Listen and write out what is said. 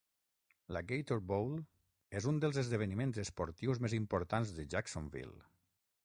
La "Gator Bowl" és un dels esdeveniments esportius més importants de Jacksonville.